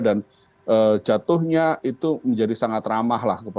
dan jatuhnya itu menjadi sangat ramah lah